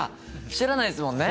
知らないっすもんね。